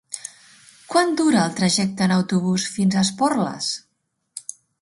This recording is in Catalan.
Quant dura el trajecte en autobús fins a Esporles?